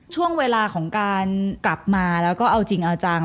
ช่วงเวลาของการกลับมาแล้วก็เอาจริงเอาจัง